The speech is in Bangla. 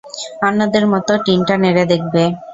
অন্যদের মতো টিনটা নেড়ে দেখবে।